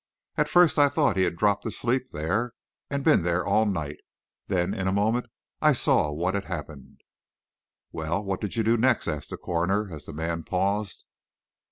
At first I thought he'd dropped asleep there, and been there all night, then in a moment I saw what had happened." "Well, what did you do next?" asked the coroner, as the man paused.